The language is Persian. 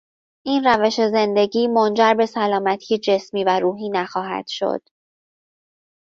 این روش زندگی منجربه سلامتی جسمی و روحی نخواهد شد.